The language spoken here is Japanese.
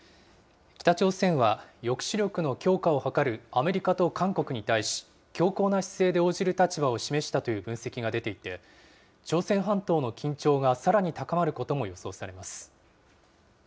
北朝鮮は、抑止力の強化を図るアメリカと韓国に対し、強硬な姿勢で応じる立場を示したという分析が出ていて、朝鮮半島の緊張がさらに高まることも予想されます。